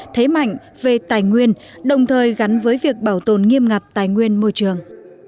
thế mạnh về tài nguyên đồng thời gắn với việc bảo tồn nghiêm ngặt tài nguyên môi trường